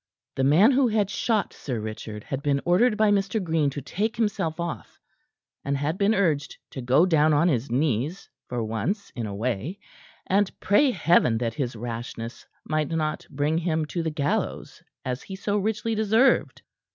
The man who had shot Sir Richard had been ordered by Mr. Green to take himself off, and had been urged to go down on his knees, for once in a way, and pray Heaven that his rashness might not bring him to the gallows as he so richly deserved.